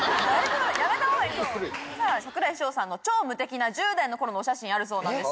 櫻井翔さんの超無敵な１０代の頃のお写真あるそうです。